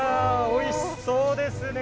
おいしそうですね！